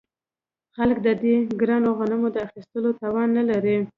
خلک د دې ګرانو غنمو د اخیستلو توان نلري